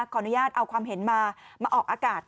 ขออนุญาตเอาความเห็นมามาออกอากาศ